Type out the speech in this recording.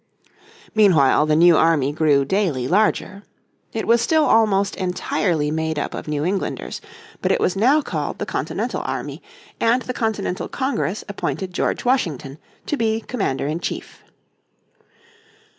Meanwhile the new army grew daily larger. It was still almost entirely made up of New Englanders, but it was now called the Continental Army, and the Continental Congress appointed George Washington to be commander in chief.